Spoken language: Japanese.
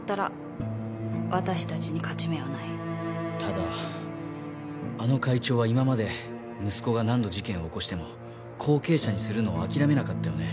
ただあの会長は今まで息子が何度事件を起こしても後継者にするのを諦めなかったよね。